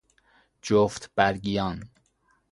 جفت برگیان